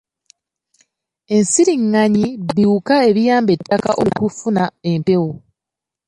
Ensiringanyi biwuka ebiyamba ettaka okufuna empewo.